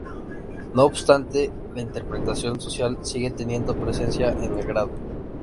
No obstante, la interpretación social sigue teniendo presencia en el grado.